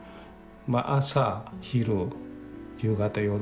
まあ朝昼夕方夜